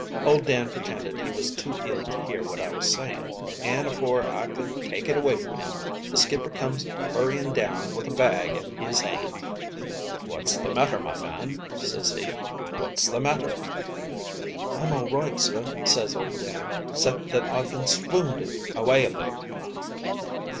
Old Dan pretended he was too ill to hear what I was saying, an' afore I could take it away from him, the skipper comes hurrying down with a bag in his 'and. "'What's the matter, my man?' ses he, 'what's the matter?' "'I'm all right, sir,' ses old Dan, ''cept that I've been swoonding away a little.'